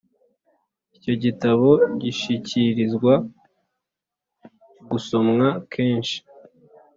Icyo gitabo gishikirizwa gusomwa kenshi